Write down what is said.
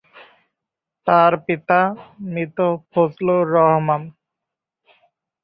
তার পিতা মৃত ফজলুর রহমান।